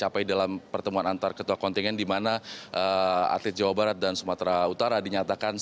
pon ke sembilan belas jawa barat